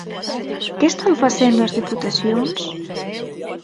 Que están facendo as Deputacións?